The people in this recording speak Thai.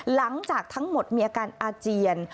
หลังจากทั้งหมดมีอาการอาเจียน